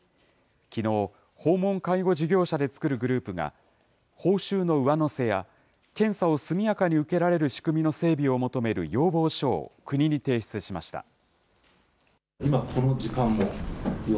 きのう、訪問介護事業者で作るグループが、報酬の上乗せや検査を速やかに受けられる仕組みの整備を求める要望書を国に提出しました。